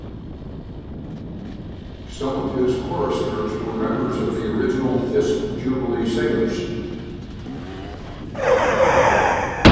Some of his choristers were members of the original Fisk Jubilee Singers.